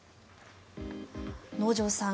能條さん